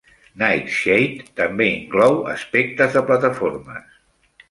"Nightshade" també inclou aspectes de plataformes.